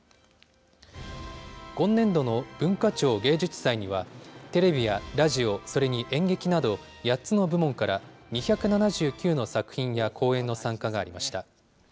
今年度の文化庁芸術祭には、テレビやラジオ、それに演劇など８つの部門から、２７９の作品や公演の参加がありました。